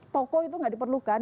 toko itu gak diperlukan